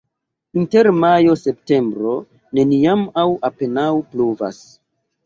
Inter majo-septembro neniam aŭ apenaŭ pluvas.